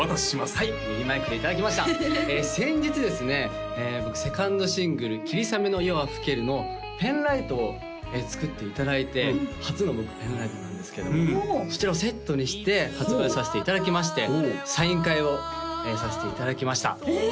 はい右マイクでいただきました先日ですね２ｎｄシングル「霧雨の夜は更ける」のペンライトを作っていただいて初の僕ペンライトなんですけどそちらをセットにして発売させていただきましてサイン会をさせていただきましたえ